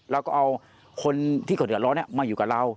เราก็เอาคนที่เขาเดือดร้อนมาอยู่กับเรา